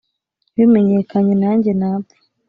bimenyekanye na njye napfa. »